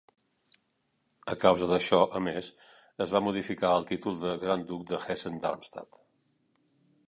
A causa d'això, a més, es va modificar el títol de Gran Duc de Hessen-Darmstadt.